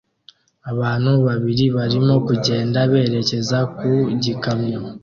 Abantu babiri barimo kugenda berekeza ku gikamyo